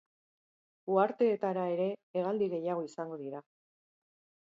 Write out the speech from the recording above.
Uharteetara ere, hegaldi gehiago izango dira.